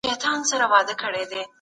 آیا په مدرسو کي هم ځانګړې جامې جبري دي؟